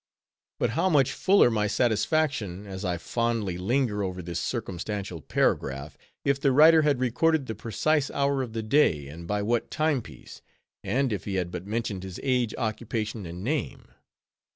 But how much fuller my satisfaction, as I fondly linger over this circumstantial paragraph, if the writer had recorded the precise hour of the day, and by what timepiece; and if he had but mentioned his age, occupation, and name.